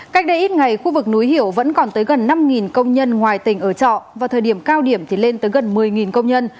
cách đây ít ngày khu vực núi hiểu vẫn còn tới gần năm công nhân ngoài tỉnh ở trọ và thời điểm cao điểm thì lên tới gần một mươi công nhân